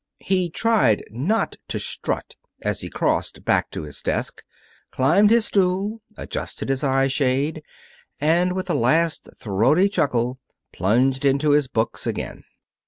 He tried not to strut as he crossed back to his desk, climbed his stool, adjusted his eye shade, and, with a last throaty chuckle, plunged into his books again.